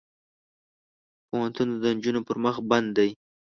پوهنتون د نجونو پر مخ بند دی.